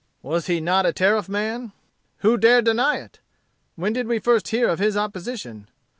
"Was he not a Tariff man? Who dare deny it! When did we first hear of his opposition?